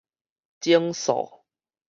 整數